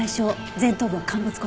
前頭部は陥没骨折。